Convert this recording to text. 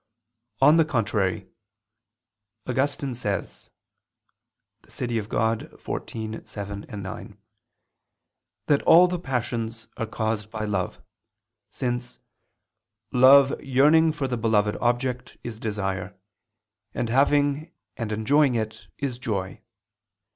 On the contrary, Augustine says (De Civ. Dei xiv, 7, 9) that all the passions are caused by love: since "love yearning for the beloved object, is desire; and, having and enjoying it, is joy."